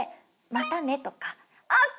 「またね」とか。